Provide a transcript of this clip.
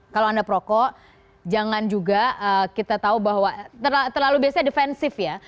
kalau anda perokok jangan juga kita tahu bahwa terlalu biasanya defensif ya